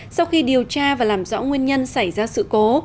sau khi điều tra và làm rõ nguyên nhân xảy ra sự cố